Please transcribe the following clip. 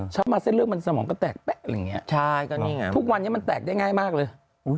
เช้ามาเส้นเรื่องมันสมองก็แตกแป๊ะทุกวันนี้มันแตกได้ง่ายมากเลย